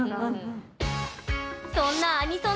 そんなアニソン